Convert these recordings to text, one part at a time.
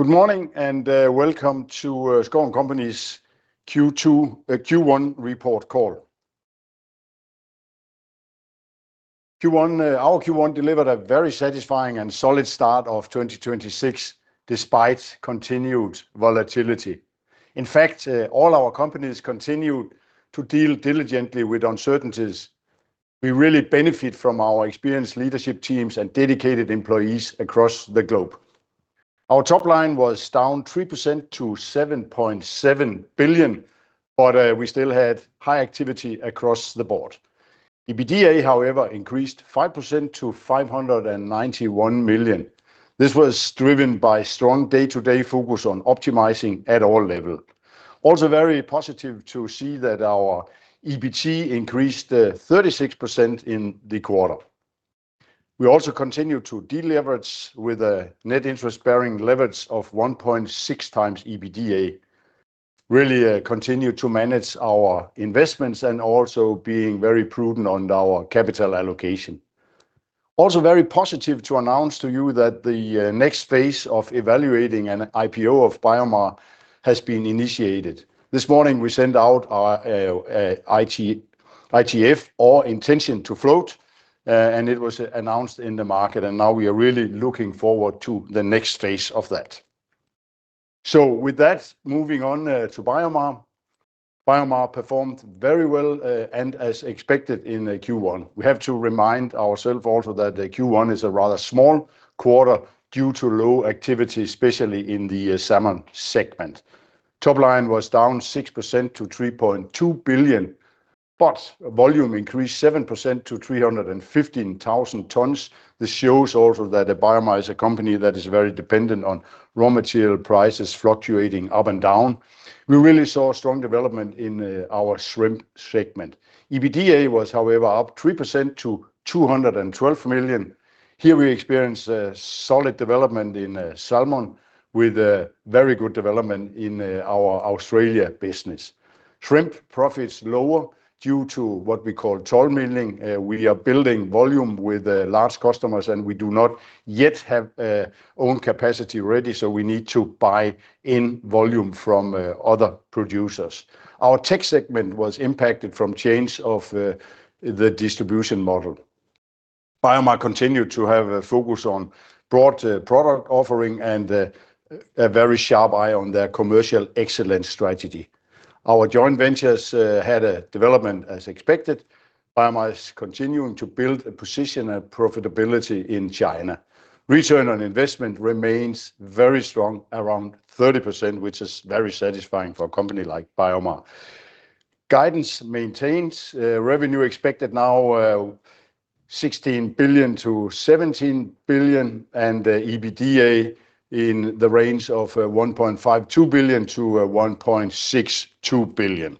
Good morning, welcome to Schouw & Co.'s Q1 report call. Our Q1 delivered a very satisfying and solid start of 2026, despite continued volatility. All our companies continued to deal diligently with uncertainties. We really benefit from our experienced leadership teams and dedicated employees across the globe. Our top line was down 3% to 7.7 billion, we still had high activity across the board. EBITDA, however, increased 5% to 591 million. This was driven by strong day-to-day focus on optimizing at all level. Very positive to see that our EBT increased 36% in the quarter. We also continue to deleverage with a net interest-bearing leverage of 1.6x EBITDA. Continue to manage our investments and also being very prudent on our capital allocation. Very positive to announce to you that the next phase of evaluating an IPO of BioMar has been initiated. This morning we sent out our ITF or Intention to Float, and it was announced in the market, and now we are really looking forward to the next phase of that. With that, moving on to BioMar. BioMar performed very well and as expected in Q1. We have to remind ourself also that the Q1 is a rather small quarter due to low activity, especially in the salmon segment. Top line was down 6% to 3.2 billion, but volume increased 7% to 315,000 tons. This shows also that BioMar is a company that is very dependent on raw material prices fluctuating up and down. We really saw strong development in our shrimp segment. EBITDA was, however, up 3% to 212 million. Here we experienced a solid development in salmon with a very good development in our Australia business. Shrimp profits lower due to what we call toll milling. We are building volume with large customers, and we do not yet have own capacity ready, so we need to buy in volume from other producers. Our tech segment was impacted from change of the distribution model. BioMar continued to have a focus on broad product offering and a very sharp eye on their commercial excellence strategy. Our joint ventures had a development as expected. BioMar is continuing to build a position and profitability in China. Return on investment remains very strong, around 30%, which is very satisfying for a company like BioMar. Guidance maintains, revenue expected now, 16 billion-17 billion, and the EBITDA in the range of 1.52 billion-1.62 billion.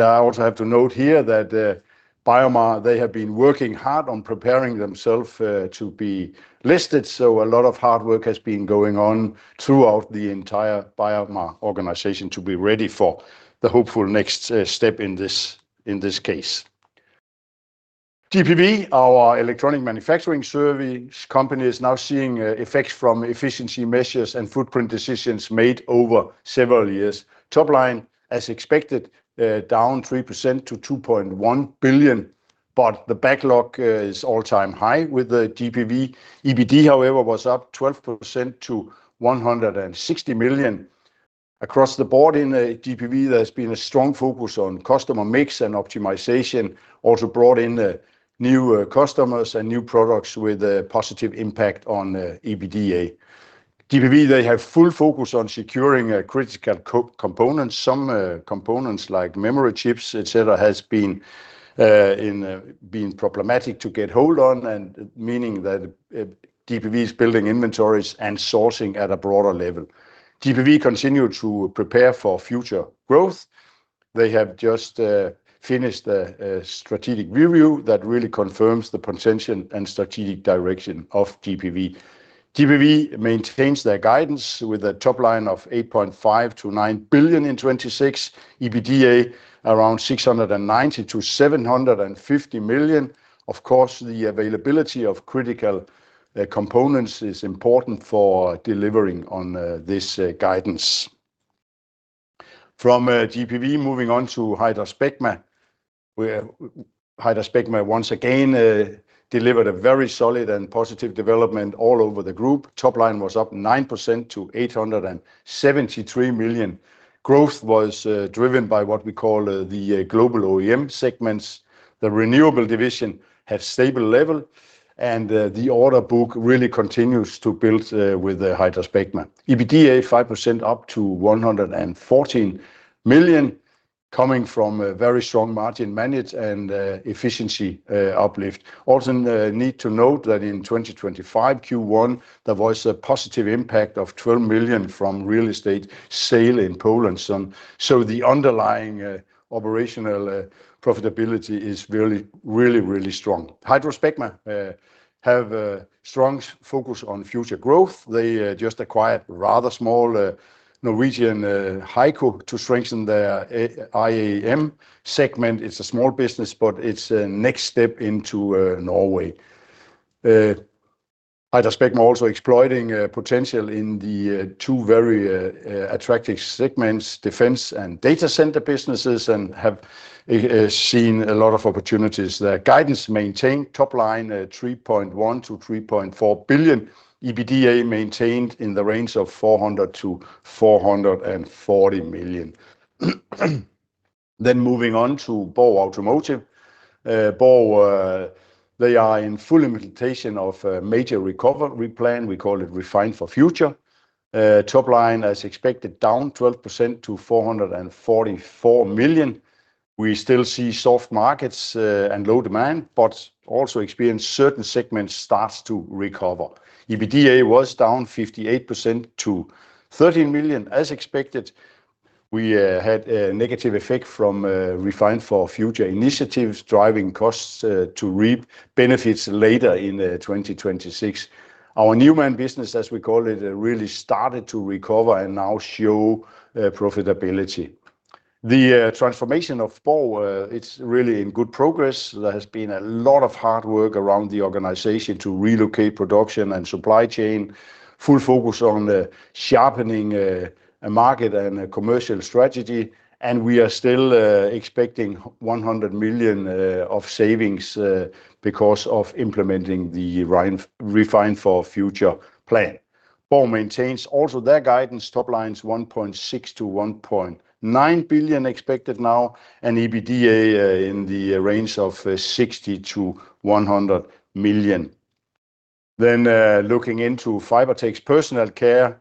I also have to note here that BioMar, they have been working hard on preparing themselves to be listed, so a lot of hard work has been going on throughout the entire BioMar organization to be ready for the hopeful next step in this, in this case. GPV, our electronic manufacturing service company, is now seeing effects from efficiency measures and footprint decisions made over several years. Top line, as expected, down 3% to 2.1 billion, but the backlog is all-time high with the GPV. EBITDA, however, was up 12% to 160 million. Across the board in GPV, there's been a strong focus on customer mix and optimization, also brought in new customers and new products with a positive impact on EBITDA. GPV, they have full focus on securing critical co-components. Some components like memory chips, et cetera, has been problematic to get hold on, meaning that GPV is building inventories and sourcing at a broader level. GPV continue to prepare for future growth. They have just finished a strategic review that really confirms the potential and strategic direction of GPV. GPV maintains their guidance with a top line of 8.5 billion-9 billion in 2026, EBITDA around 690 million-750 million. Of course, the availability of critical components is important for delivering on this guidance. From GPV, moving on to HydraSpecma, where HydraSpecma once again delivered a very solid and positive development all over the group. Top line was up 9% to 873 million. Growth was driven by what we call the global OEM segments. The renewable division have stable level, and the order book really continues to build with HydraSpecma. EBITDA 5% up to 114 million, coming from a very strong margin manage and efficiency uplift. Also need to note that in 2025 Q1, there was a positive impact of 12 million from real estate sale in Poland. The underlying operational profitability is really, really, really strong. HydraSpecma have a strong focus on future growth. They just acquired rather small Norwegian Hyco to strengthen their OEM segment. It's a small business, but it's a next step into Norway. I'd expect more also exploiting potential in the two very attractive segments, defense and data center businesses, and have seen a lot of opportunities there. Guidance maintained top line at 3.1 billion-3.4 billion. EBITDA maintained in the range of 400 million-440 million. Moving on to Borg Automotive. Borg, they are in full implementation of a major recovery plan. We call it Refine for Future. Top line as expected, down 12% to 444 million. We still see soft markets and low demand, but also experience certain segments starts to recover. EBITDA was down 58% to 13 million as expected. We had a negative effect from Refine for Future initiatives driving costs to reap benefits later in 2026. Our [new-man] business, as we call it, really started to recover and now show profitability. The transformation of Borg, it's really in good progress. There has been a lot of hard work around the organization to relocate production and supply chain. Full focus on sharpening a market and a commercial strategy, and we are still expecting 100 million of savings because of implementing the Refine for Future plan. Borg maintains also their guidance top line's 1.6 billion-1.9 billion expected now, and EBITDA in the range of 60 million-100 million. Looking into Fibertex Personal Care.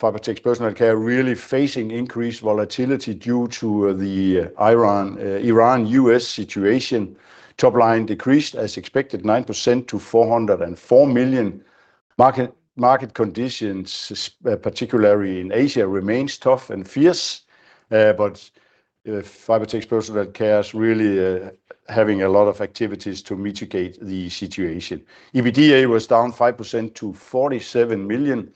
Fibertex Personal Care really facing increased volatility due to the Iran-U.S. situation. Top line decreased, as expected, 9% to 404 million. Market conditions, particularly in Asia, remains tough and fierce. Fibertex Personal Care is really having a lot of activities to mitigate the situation. EBITDA was down 5% to 47 million.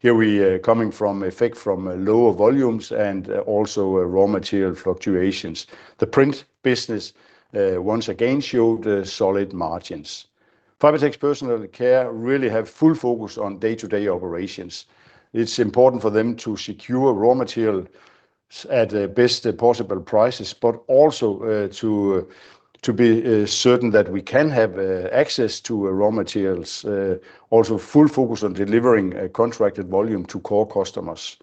Here we coming from effect from lower volumes and also raw material fluctuations. The print business once again showed solid margins. Fibertex Personal Care really have full focus on day-to-day operations. It's important for them to secure raw materials at the best possible prices, but also to be certain that we can have access to raw materials. Full focus on delivering a contracted volume to core customers.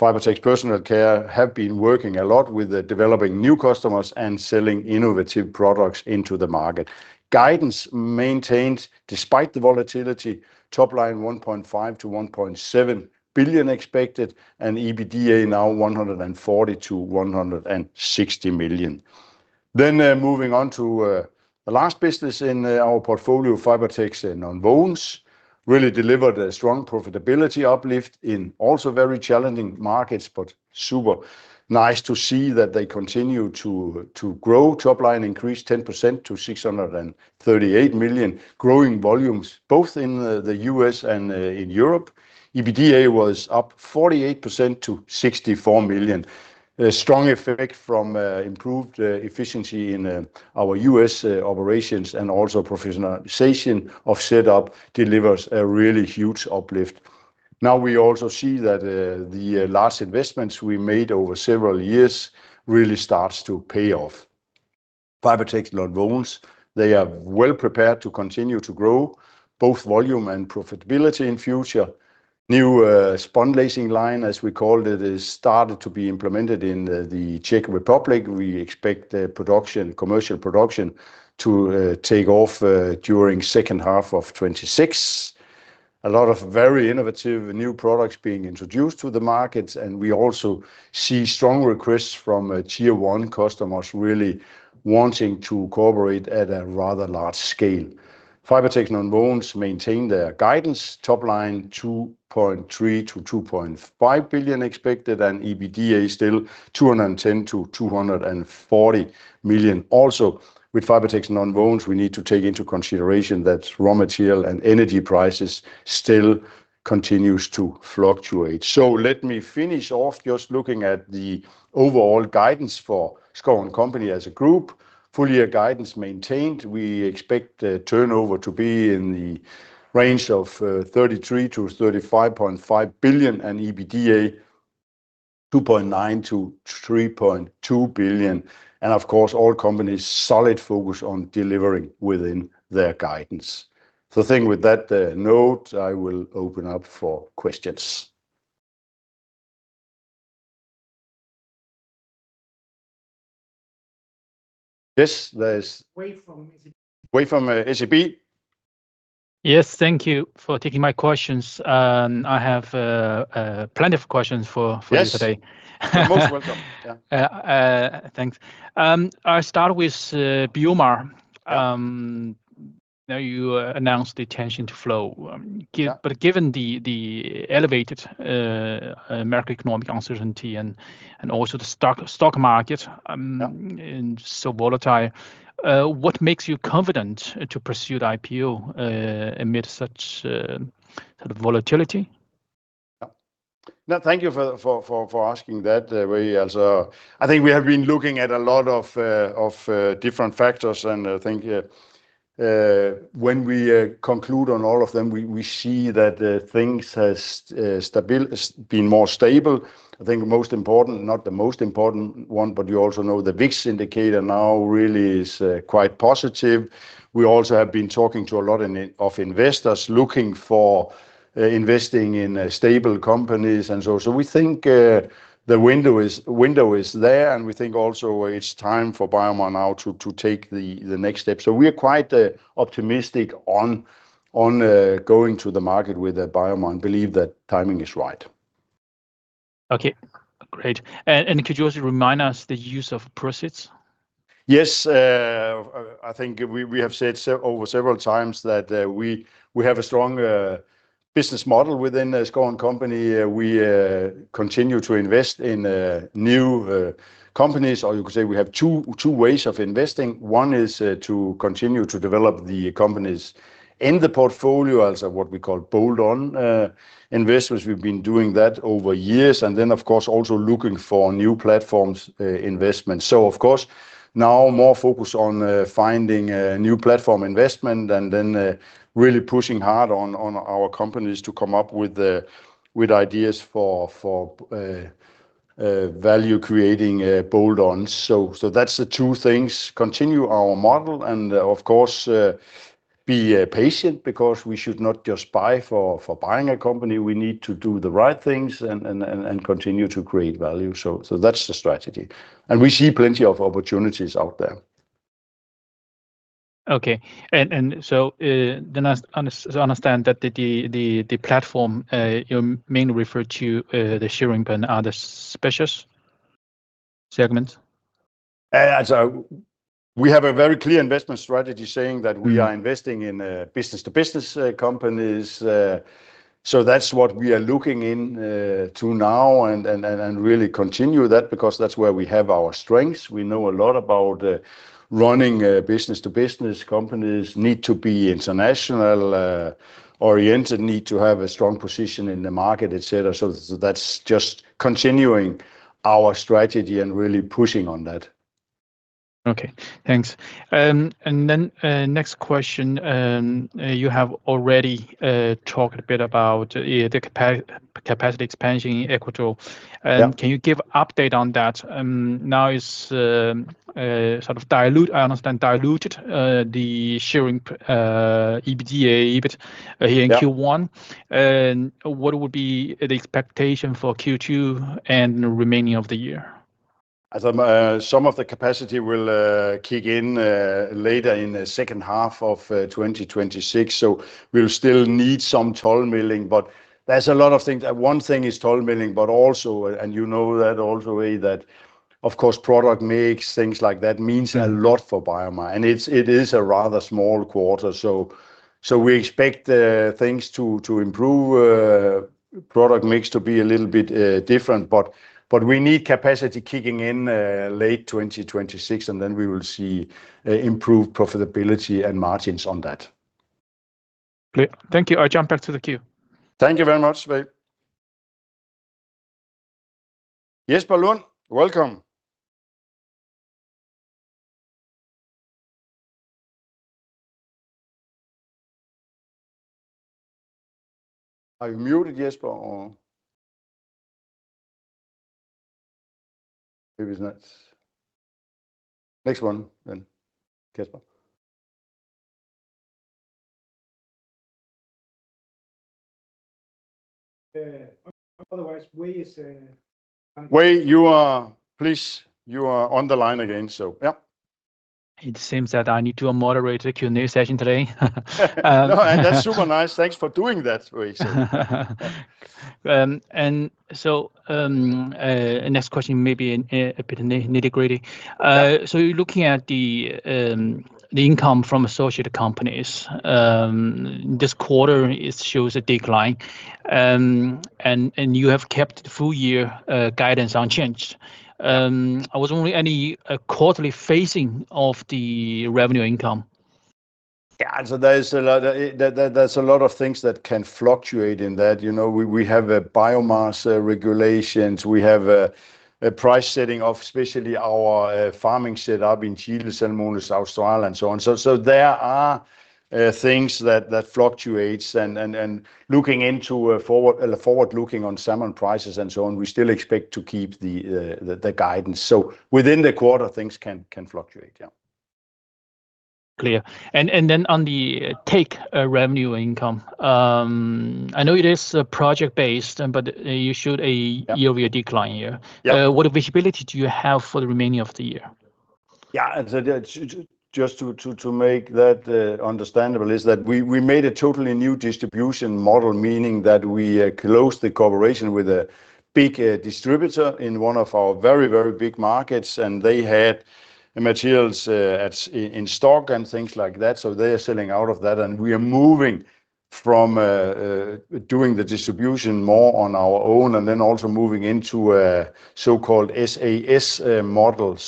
Fibertex Personal Care have been working a lot with developing new customers and selling innovative products into the market. Guidance maintained despite the volatility. Top line 1.5 billion-1.7 billion expected, and EBITDA now 140 million-160 million. Moving on to the last business in our portfolio, Fibertex Nonwovens really delivered a strong profitability uplift in also very challenging markets, but super nice to see that they continue to grow. Top line increased 10% to 638 million. Growing volumes both in the U.S. and in Europe. EBITDA was up 48% to 64 million. A strong effect from improved efficiency in our U.S. operations and also professionalization of setup delivers a really huge uplift. Now we also see that the large investments we made over several years really starts to pay off. Fibertex Nonwovens, they are well prepared to continue to grow both volume and profitability in future. New spunlacing line, as we called it, is started to be implemented in the Czech Republic. We expect the production, commercial production to take off during second half of 2026. A lot of very innovative new products being introduced to the markets, and we also see strong requests from Tier 1 customers really wanting to cooperate at a rather large scale. Fibertex Nonwovens maintain their guidance top line 2.3 billion-2.5 billion expected, and EBITDA is still 210 million-240 million. With Fibertex Nonwovens, we need to take into consideration that raw material and energy prices still continues to fluctuate. Let me finish off just looking at the overall guidance for Schouw & Co. as a group. Full year guidance maintained. We expect the turnover to be in the range of 33 billion-35.5 billion, and EBITDA 2.9 billion-3.2 billion. Of course, all companies solid focus on delivering within their guidance. I think with that note, I will open up for questions. Wei from ACP. Wei from ACP. Yes. Thank you for taking my questions. I have plenty of questions Yes for you today. You're most welcome. Yeah. Thanks. I start with BioMar. Now you announced the Intention to Float. Yeah Given the elevated American economic uncertainty and also the stock market Yeah and so volatile, what makes you confident to pursue the IPO amid such sort of volatility? No, thank you for asking that, Wei. As I think we have been looking at a lot of different factors, and I think when we conclude on all of them, we see that the things has been more stable. I think most important, not the most important one, but you also know the VIX indicator now really is quite positive. We also have been talking to a lot of investors looking for investing in stable companies. So we think the window is there, and we think also it's time for BioMar now to take the next step. So we are quite optimistic on going to the market with BioMar and believe that timing is right. Okay. Great. Could you also remind us the use of proceeds? Yes. I think we have said several times that we have a strong business model within Schouw & Co. We continue to invest in new companies. You could say we have two ways of investing. One is to continue to develop the companies in the portfolio, as what we call bolt-on investments. We've been doing that over years. Then, of course, also looking for new platforms, investment. Of course now more focused on finding a new platform investment and then really pushing hard on our companies to come up with ideas for value creating bolt-ons. That's the two things, continue our model and, of course, be patient because we should not just buy for buying a company. We need to do the right things and continue to create value. That's the strategy, and we see plenty of opportunities out there. Okay. I understand that the platform you mainly refer to the [shearing pen are] the specialist segment? We have a very clear investment strategy. Mm-hmm We are investing in business-to-business companies. That's what we are looking into now and really continue that because that's where we have our strengths. We know a lot about running a business-to-business companies, need to be international oriented, need to have a strong position in the market, et cetera. That's just continuing our strategy and really pushing on that. Okay. Thanks. Next question. You have already talked a bit about, yeah, the capacity expansion in Ecuador. Yeah. Can you give update on that? Now it's sort of dilute, I understand diluted, the shearing EBITDA Yeah here in Q1. What would be the expectation for Q2 and the remaining of the year? Some of the capacity will kick in later in the second half of 2026, so we'll still need some toll milling, but there's a lot of things. One thing is toll milling, but also, you know that also, Wei, that of course product mix, things like that Yeah means a lot for BioMar, and it is a rather small quarter. We expect things to improve product mix to be a little bit different. We need capacity kicking in late 2026, and then we will see improved profitability and margins on that. Great. Thank you. I jump back to the queue. Thank you very much, Wei. Jesper Lund, welcome. Are you muted, Jesper, or? Maybe he's not. Next one then, Kasper. otherwise, Wei is. Wei, you are, please, you are on the line again, so yeah. It seems that I need to moderate the Q&A session today. No. That's super nice. Thanks for doing that, Wei. Next question may be in, a bit nitty-gritty. Yeah. Looking at the income from associated companies, this quarter it shows a decline. You have kept full year guidance unchanged. Was there only any quarterly phasing of the revenue income? Yeah. There is a lot, there's a lot of things that can fluctuate in that. You know, we have BioMar regulations. We have a price setting of especially our farming set up in Kilsund, Moelis, Australia, and so on. There are things that fluctuates. Looking into forward-looking on salmon prices and so on, we still expect to keep the guidance. Within the quarter, things can fluctuate. Yeah. Clear. Then on the tech revenue income, I know it is project-based, but you showed. Yeah year-over-year decline here. Yeah. What visibility do you have for the remaining of the year? Yeah. Just to make that understandable is that we made a totally new distribution model, meaning that we closed the cooperation with a big distributor in one of our very big markets, and they had materials in stock and things like that. They are selling out of that, and we are moving from doing the distribution more on our own and then also moving into a so-called SaaS model.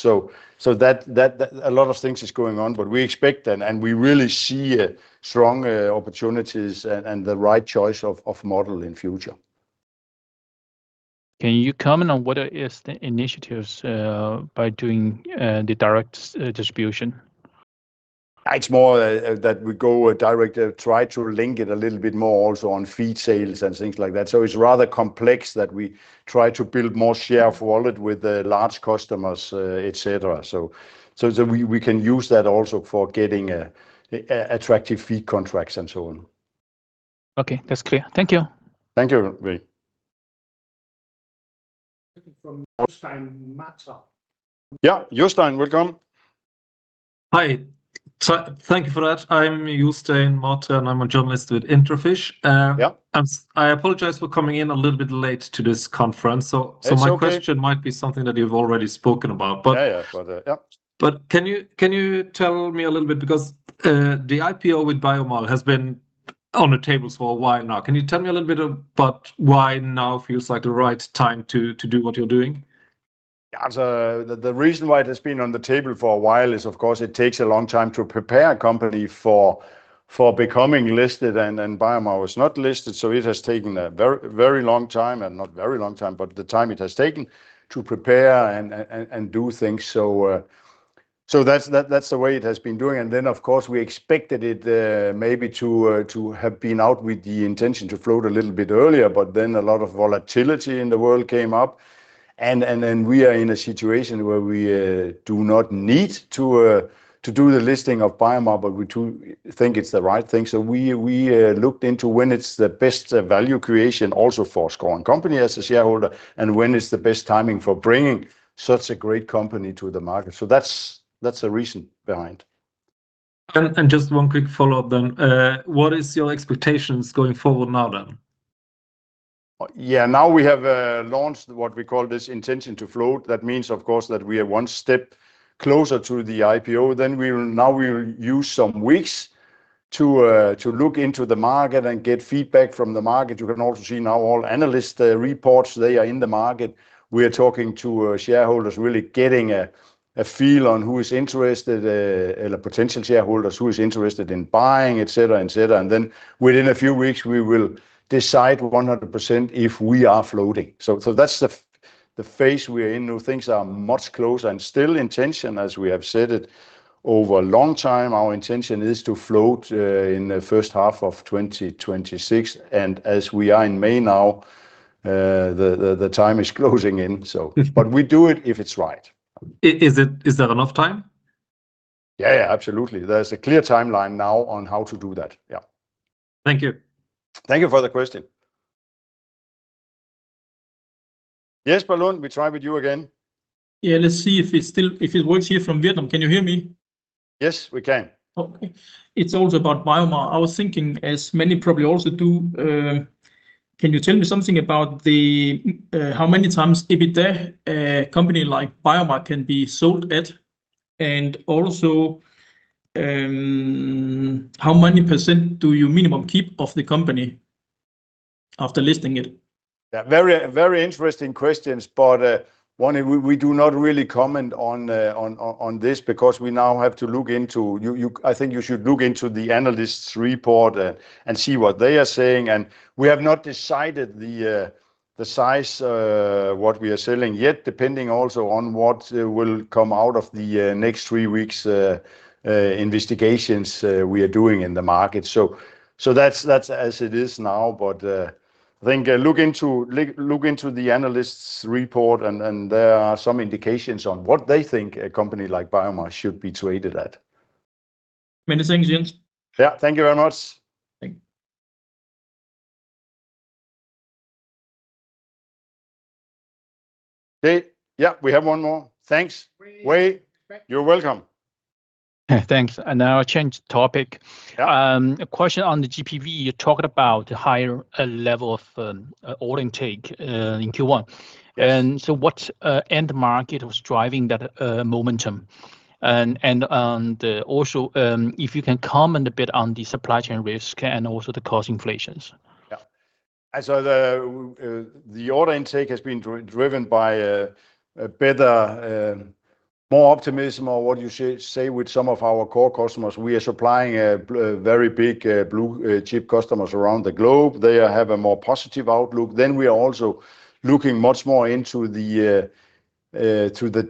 A lot of things is going on, but we expect and we really see strong opportunities and the right choice of model in future. Can you comment on what is the initiatives by doing the direct distribution? It's more that we go direct, try to link it a little bit more also on feed sales and things like that. It's rather complex that we try to build more share of wallet with the large customers, et cetera. We can use that also for getting attractive fee contracts and so on. Okay. That's clear. Thank you. Thank you, Wei. From Jostein Matre. Yeah, Jostein, welcome. Hi. Thank you for that. I'm Jostein Matre, and I'm a journalist with IntraFish. Yeah I apologize for coming in a little bit late to this conference. It's okay. My question might be something that you've already spoken about. Yeah, yeah. Yeah. Can you tell me a little bit, because the IPO with BioMar has been on the tables for a while now. Can you tell me a little bit about why now feels like the right time to do what you're doing? Yeah. The reason why it has been on the table for a while is, of course, it takes a long time to prepare a company for becoming listed, and BioMar was not listed, so it has taken a very, very long time, and not very long time, but the time it has taken to prepare and do things, so that's the way it has been doing. Of course, we expected it maybe to have been out with the Intention to Float a little bit earlier, but then a lot of volatility in the world came up, and then we are in a situation where we do not need to do the listing of BioMar, but we do think it's the right thing. We looked into when it's the best value creation also for Schouw & Co. as a shareholder and when is the best timing for bringing such a great company to the market. That's the reason behind. Just one quick follow-up then. What is your expectations going forward now then? Yeah. Now we have launched what we call this Intention to Float. That means, of course, that we are one step closer to the IPO. Now we will use some weeks to look into the market and get feedback from the market. You can also see now all analyst reports, they are in the market. We are talking to shareholders, really getting a feel on who is interested, or potential shareholders, who is interested in buying, et cetera, et cetera. Within a few weeks, we will decide 100% if we are floating. That's the phase we are in now. Things are much closer, and still intention, as we have said it over a long time, our intention is to float in the first half of 2026. As we are in May now, the time is closing in. We do it if it is right. Is it, is that enough time? Yeah, yeah, absolutely. There's a clear timeline now on how to do that. Yeah. Thank you. Thank you for the question. Jesper Lund, we try with you again. Let's see if it's still if it works here from Vietnam. Can you hear me? Yes, we can. Okay. It's also about BioMar. I was thinking, as many probably also do, can you tell me something about the, how many times EBITDA a company like BioMar can be sold at? Also, how many percent do you minimum keep of the company after listing it? Yeah, very, very interesting questions. One, we do not really comment on this. I think you should look into the analyst's report and see what they are saying. We have not decided the size what we are selling yet, depending also on what will come out of the next three weeks' investigations we are doing in the market. That's as it is now. I think look into the analyst's report and there are some indications on what they think a company like BioMar should be traded at. Many thanks, Jens. Yeah. Thank you very much. Thank you. Okay. Yeah, we have one more. Thanks. Wei, you're welcome. Yeah, thanks. Now I change topic. Yeah. A question on the GPV. You talked about higher level of order intake in Q1. What end market was driving that momentum? Also, if you can comment a bit on the supply chain risk and also the cost inflations. Yeah. The order intake has been driven by a better, more optimism or what you say with some of our core customers. We are supplying a very big, blue chip customers around the globe. They have a more positive outlook. We are also looking much more into the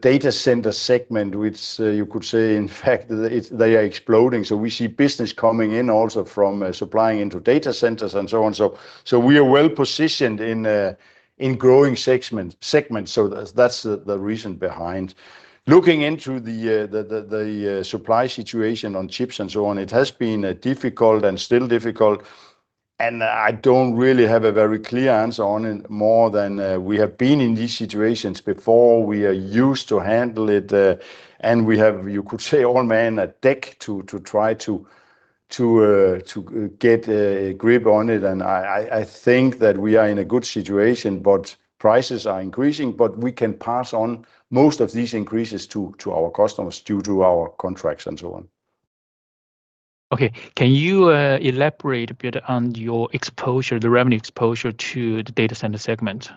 data center segment, which you could say, in fact, they are exploding. We see business coming in also from supplying into data centers and so on. We are well-positioned in growing segment. That's the reason behind. Looking into the supply situation on chips and so on, it has been difficult and still difficult, and I don't really have a very clear answer on it more than, we have been in these situations before. We are used to handle it, and we have, you could say, all man at deck to try to get a grip on it. I think that we are in a good situation. Prices are increasing. We can pass on most of these increases to our customers due to our contracts and so on. Okay. Can you elaborate a bit on your exposure, the revenue exposure to the data center segment?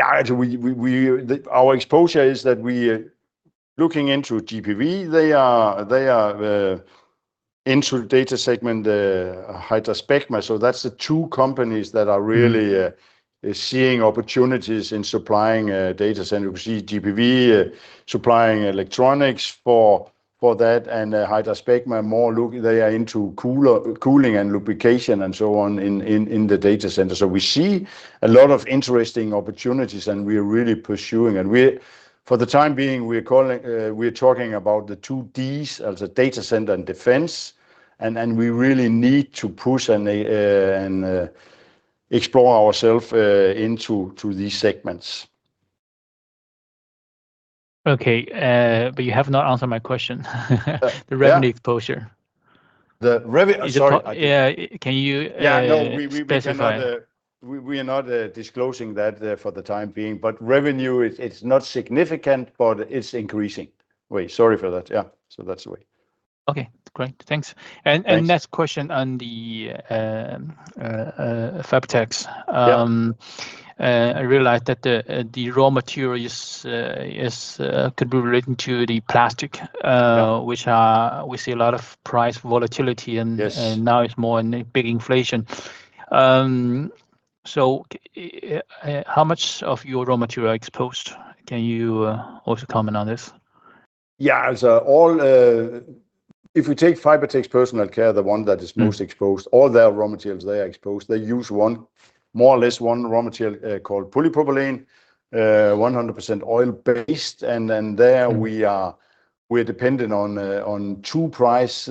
Our exposure is that we, looking into GPV, they are into data segment, HydraSpecma. That's the two companies that are really seeing opportunities in supplying data center. You see GPV supplying electronics for that, and HydraSpecma they are into cooling and lubrication and so on in the data center. We see a lot of interesting opportunities, and we are really pursuing, and we. For the time being, we're calling, we're talking about the two Ds as a Data center and Defense, and we really need to push and explore ourself into these segments. Okay. You have not answered my question. Yeah. The revenue exposure. Sorry. Is it yeah. Can you. Yeah. No, we specify we cannot, we are not disclosing that for the time being. Revenue is not significant, but it's increasing. Wei, sorry for that. That's the way. Okay. Great. Thanks. Thanks. Last question on the Fibertex. Yeah. I realize that the raw material is could be relating to the plastic Yeah which, we see a lot of price volatility. Yes Now it's more in big inflation. How much of your raw material exposed? Can you also comment on this? Yeah. As a all, if we take Fibertex Personal Care, the one that is most exposed. Mm-hmm All their raw materials, they are exposed. They use one, more or less one raw material, called polypropylene, 100% oil based. Mm-hmm We are, we're dependent on two price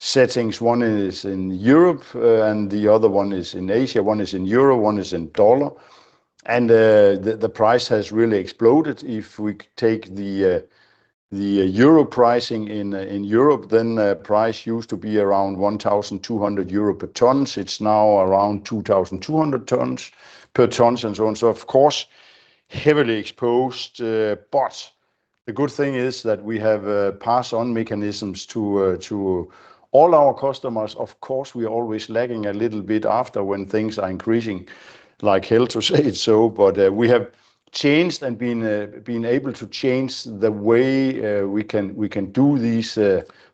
settings. One is in Europe, and the other one is in Asia. one is in euro, one is in dollar. The price has really exploded. If we take the EUR pricing in Europe, then, price used to be around 1,200 euro per tons. It's now around 2,200 per tons, and so on, so of course, heavily exposed. The good thing is that we have, pass on mechanisms to all our customers. Of course, we are always lagging a little bit after when things are increasing, like hell to say it so, but we have changed and been able to change the way we can, we can do these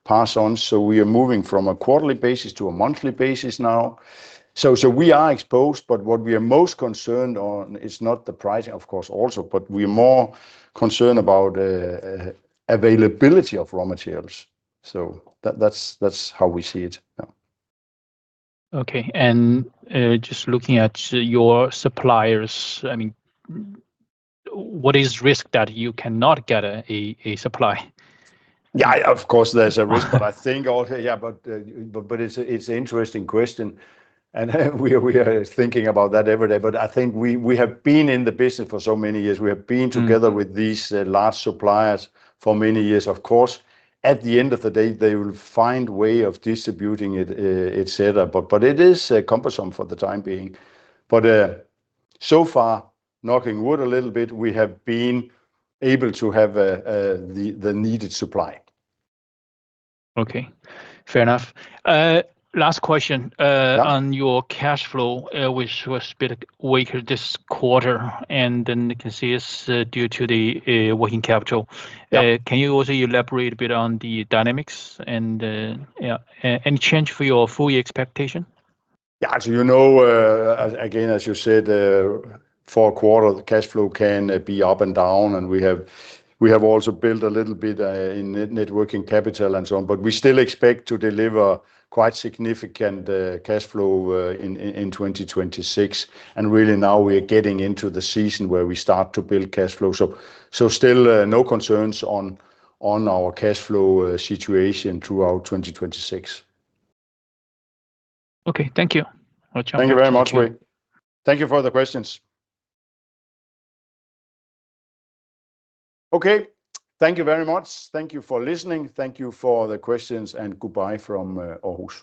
pass on, so we are moving from a quarterly basis to a monthly basis now. We are exposed, but what we are most concerned on is not the pricing, of course also, but we are more concerned about availability of raw materials. That's how we see it now. Okay. Just looking at your suppliers, I mean, what is risk that you cannot get a supply? Yeah, of course there's a risk. I think also, yeah, but it's a interesting question. We are thinking about that every day. I think we have been in the business for so many years. We have been together Mm-hmm with these, large suppliers for many years. Of course, at the end of the day, they will find way of distributing it, et cetera. It is cumbersome for the time being. So far, knocking wood a little bit, we have been able to have the needed supply. Okay. Fair enough. Last question. Yeah On your cash flow, which was a bit weaker this quarter, and then I can see it's due to the working capital. Yeah. Can you also elaborate a bit on the dynamics and any change for your full year expectation? Yeah. As you know, again, as you said, for a quarter, the cash flow can be up and down, we have also built a little bit in net working capital and so on. We still expect to deliver quite significant cash flow in 2026, really now we're getting into the season where we start to build cash flow. Still no concerns on our cash flow situation throughout 2026. Okay. Thank you. Thank you very much, Wei. Thank you for the questions. Okay. Thank you very much. Thank you for listening. Thank you for the questions, and goodbye from Aarhus.